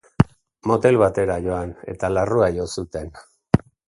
Motel batean joan eta larrua jo zuten.